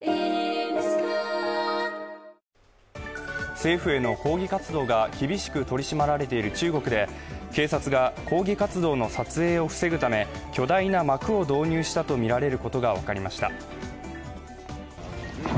政府への抗議活動が厳しく取り締まられている中国で警察が抗議活動の撮影を防ぐため巨大な幕を導入したとみられることが分かりました。